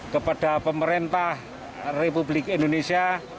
kepada pemerintah republik indonesia